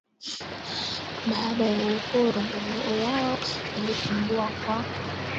Baada ya uhuru nguvu yao ilipungua kwa kuwa